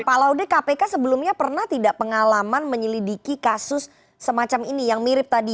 pak laude kpk sebelumnya pernah tidak pengalaman menyelidiki kasus semacam ini yang mirip tadi